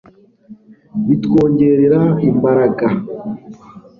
bitwongerera imbaraga